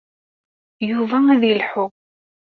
Yuba ad yelḥu.